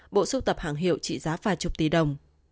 bộ sưu tập hàng hiệu trị giá vài chục tỷ đồng